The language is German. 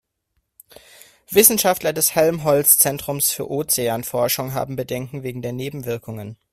Wissenschaftler des Helmholtz-Zentrums für Ozeanforschung haben Bedenken wegen der Nebenwirkungen.